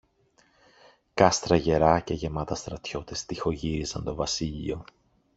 κάστρα γερά και γεμάτα στρατιώτες τειχογύριζαν το βασίλειο.